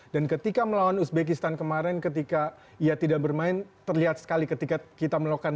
dan ketika melawan uzbekistan kemarin ketika ya tidak bermain terlihat sekali ketika kita melakukan